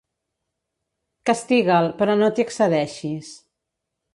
Castiga'l, però no t'hi excedeixis.